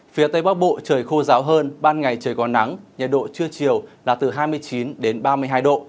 phía tây bắc bộ trời khô ráo hơn ban ngày trời có nắng nhiệt độ chưa chiều là từ hai mươi chín ba mươi hai độ